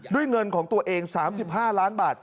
ด้วยเงินของตัวเอง๓๕ล้านบาท